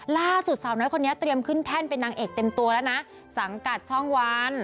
ล่าสุดสาวน้อยคนนี้เตรียมขึ้นแท่นเป็นนางเอกเต็มตัวแล้วนะสังกัดช่องวัน